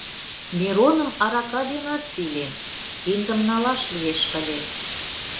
Мироным арака денат сийлен, киндым налаш лиеш ыле.